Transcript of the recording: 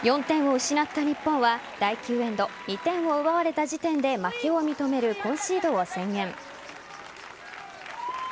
４点を失った日本は第９エンド２点を奪われた時点で負けを認めるコンシードを宣言。